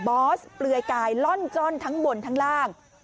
อสเปลือยกายล่อนจ้อนทั้งบนทั้งล่าง